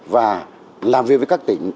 và làm việc với các tỉnh